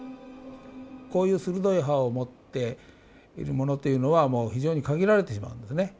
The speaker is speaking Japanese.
こういう鋭い歯を持っているものというのはもう非常に限られてしまうんですね。